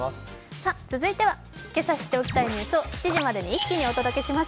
続いては今朝知っておきたいニュースを７時までに一気にお届けします。